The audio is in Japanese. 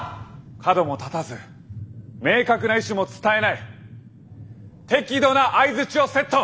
カドも立たず明確な意思も伝えない適度な相づちをセット。